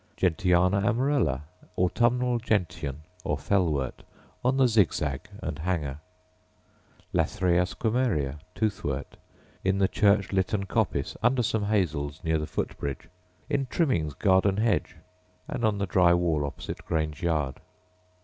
Gentiana amarella, autumnal gentian or fellwort, — on the Zig zag and Hanger; Lathraea squamaria, tooth wort, — in the Church Litten coppice under some hazels near the foot bridge, in Trimming's garden hedge, and on the dry wall opposite Grange yard.